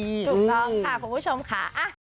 ถูกต้องค่ะคุณผู้ชมค่ะ